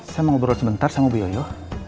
saya mau ngobrol sebentar sama bu yoyo